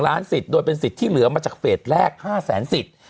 ล้านสิทธิ์โดยเป็นสิทธิ์ที่เหลือมาจากเฟสแรก๕แสนสิทธิ์